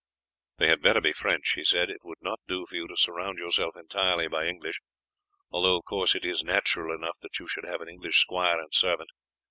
"They had better be French," he said; "it would not do for you to surround yourself entirely by English, although of course it is natural enough that you should have an English squire and servant.